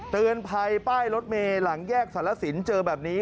เตือนภัยป้ายรถเมย์หลังแยกสารสินเจอแบบนี้